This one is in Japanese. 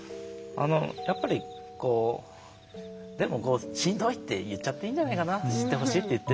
やっぱりこうでもこう「しんどい」って言っちゃっていいんじゃないかな「知ってほしい」って言ってるから。